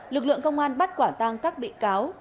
lực lượng công an bắt quả tang các bị cáo